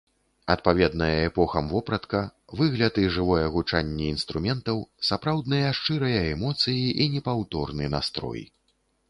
Адпаведная эпохам вопратка, выгляд і жывое гучанне інструментаў, сапраўдныя шчырыя эмоцыі і непаўторны настрой!